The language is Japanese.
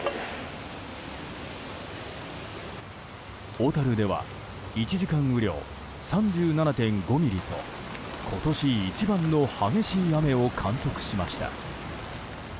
小樽では１時間雨量３７．５ミリと今年一番の激しい雨を観測しました。